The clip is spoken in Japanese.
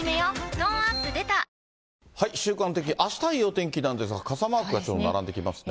トーンアップ出た週間のお天気、あしたいいお天気なんですが、傘マークがちょっと並んできますね。